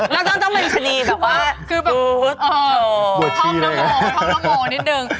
แล้วต้องมันชนีแบบว่าคือแบบอ่อทองละโมนิดนึง